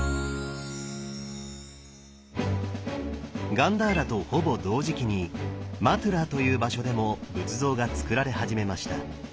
ガンダーラとほぼ同時期にマトゥラーという場所でも仏像がつくられ始めました。